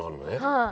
はい。